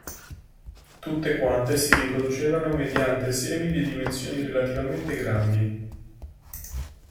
Tutte quante si riproducevano mediante semi di dimensioni relativamente grandi.